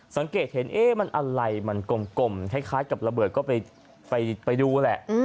สังเกตเห็นเอ๊ะมันอะไรมันกลมคล้ายกับระเบิดก็ไปดูแหละ